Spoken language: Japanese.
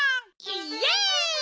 イエイ！